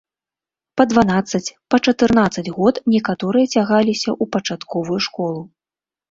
Па дванаццаць, па чатырнаццаць год некаторыя цягаліся ў пачатковую школу.